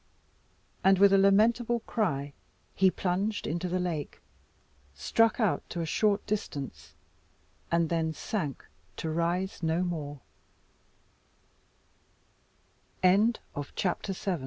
And, with a lamentable cry, he plunged into the lake, struck out to a short distance, and then sank to rise no more.